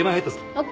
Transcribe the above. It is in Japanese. ＯＫ。